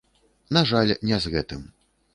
На жаль, не з гэтым.